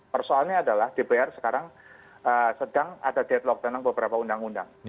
persoalnya adalah dpr sekarang sedang ada deadlock tentang beberapa undang undang